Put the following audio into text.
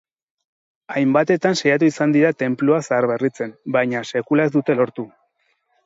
Hainbatetan saiatu izan dira tenplua zaharberritzen, baina sekula ez dute lortu.